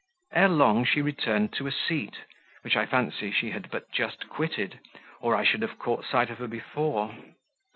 Ere long she returned to a seat which I fancy she had but just quitted, or I should have caught sight of her before.